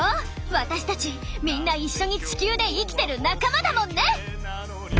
私たちみんな一緒に地球で生きてる仲間だもんね！